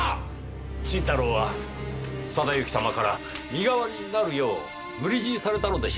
新太郎は定行様から身代わりになるよう無理強いされたのでしょう。